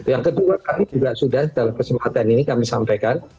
yang kedua kami juga sudah dalam kesempatan ini kami sampaikan